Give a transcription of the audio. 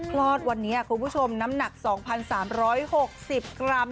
คลอดวันนี้คุณผู้ชมน้ำหนัก๒๓๖๐กรัม